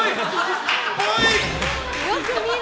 よく見る！